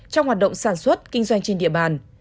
trong hoạt động sản xuất kinh doanh trên địa bàn